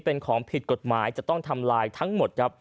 เป็นของผิดกฎหมายจะต้องทำลายทั้งหมดครับ